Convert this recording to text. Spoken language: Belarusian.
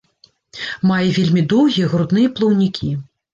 Мае вельмі доўгія грудныя плаўнікі.